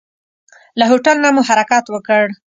له هوټل نه مو حرکت وکړ.